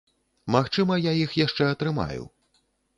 Магчыма, я іх яшчэ атрымаю.